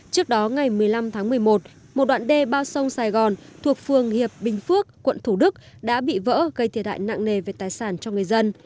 trước đó ngày một mươi năm tháng một mươi một một đoạn đê bao sông sài gòn thuộc phường hiệp bình phước quận thủ đức đã bị vỡ gây thiệt hại nặng nề về tài sản cho người dân